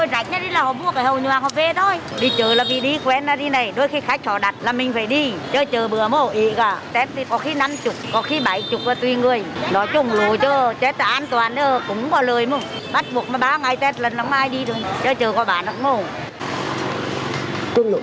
bắt buộc mà ba ngày tết lần lắm ai đi được chứ chờ có bán cũng không